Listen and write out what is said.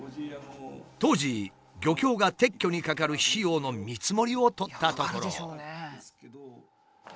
当時漁協が撤去にかかる費用の見積もりをとったところ。